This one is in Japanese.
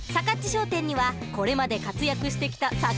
商店にはこれまで活躍してきたさ